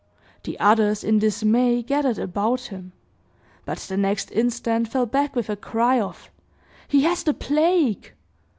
The others, in dismay, gathered abut him, but the next instant fell back with a cry of, "He has the plague!"